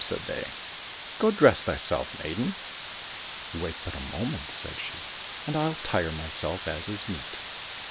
" said they ;*' go, dress thyself, maiden !"—" Wait but a moment," said she, " and I'll tire myself as is meet